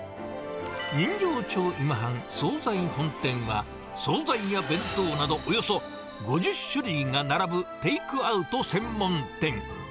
人形町今半惣菜本店は、総菜や弁当などおよそ５０種類が並ぶテイクアウト専門店。